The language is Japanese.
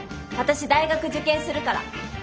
私大学受験するから。